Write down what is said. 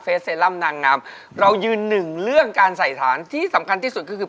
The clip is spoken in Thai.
เซรั่มนางงามเรายืนหนึ่งเรื่องการใส่ฐานที่สำคัญที่สุดก็คือ